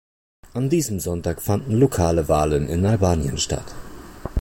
An diesem Sonntag fanden lokale Wahlen in Albanien stand.